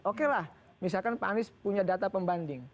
oke lah misalkan pak anies punya data pembanding